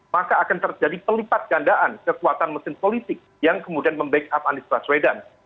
maka akan terjadi pelipat gandaan kekuatan mesin politik yang kemudian membackup anis kelas redan